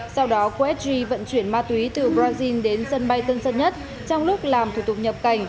sau đó usg vận chuyển ma túy từ brazil đến sân bay tân sơn nhất trong lúc làm thủ tục nhập cảnh